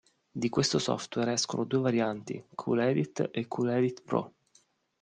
Di questo software escono due varianti: "Cool Edit" e "Cool Edit Pro".